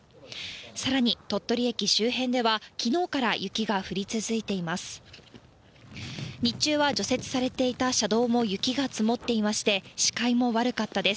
さらに、鳥取駅周辺では、きのうから雪が降り続いています。